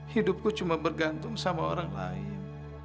hidupku cuma bergantung sama orang lain